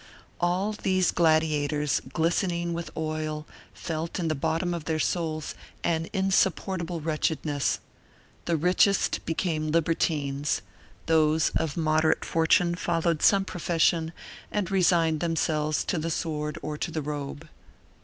All these gladiators, glistening with oil, felt in the bottom of their souls an insupportable wretchedness. The richest became libertines; those of moderate fortune followed some profession and resigned themselves to the sword or to the robe.